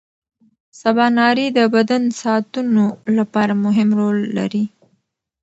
سباناري د بدن ساعتونو لپاره مهمه رول لري.